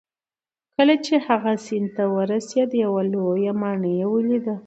کله چې هغه سیند ته ورسید یوه لویه ماڼۍ یې ولیده.